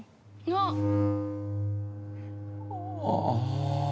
ああ。